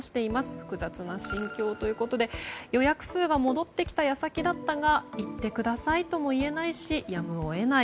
複雑な心境ということで予約数が戻ってきた矢先だったが行ってくださいとも言えないしやむを得ない。